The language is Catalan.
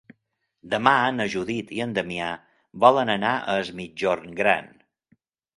Demà na Judit i en Damià volen anar a Es Migjorn Gran.